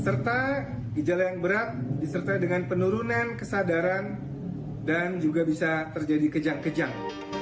serta gejala yang berat disertai dengan penurunan kesadaran dan juga bisa terjadi kejang kejang